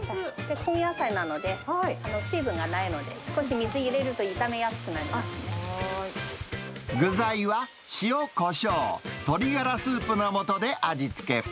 根野菜なので、水分がないので、少し水入れると炒めやすくなりま具材は塩、こしょう、鶏ガラスープのもとで味付け。